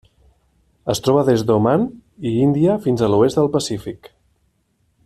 Es troba des d'Oman i Índia fins a l'oest del Pacífic.